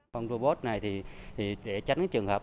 phòng robot này để tránh trường hợp